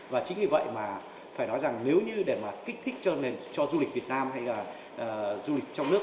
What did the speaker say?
và chính vì vậy mà phải nói rằng nếu như để kích thích cho du lịch việt nam hay là du lịch trong nước